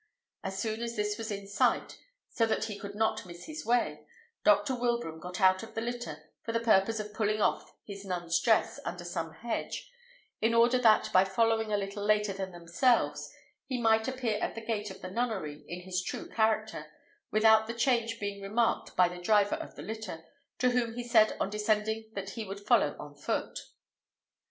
As soon as this was in sight, so that he could not miss his way, Dr. Wilbraham got out of the litter, for the purpose of pulling off his nun's dress under some hedge, in order that, by following a little later than themselves, he might appear at the gate of the nunnery in his true character, without the change being remarked by the driver of the litter, to whom he said on descending that he would follow on foot.